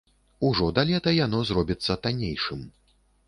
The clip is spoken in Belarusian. Ужо да лета яно зробіцца таннейшым.